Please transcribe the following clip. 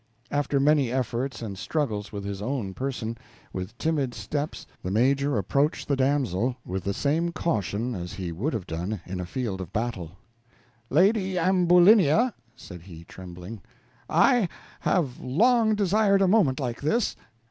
After many efforts and struggles with his own person, with timid steps the Major approached the damsel, with the same caution as he would have done in a field of battle. "Lady Ambulinia," said he, trembling, "I have long desired a moment like this.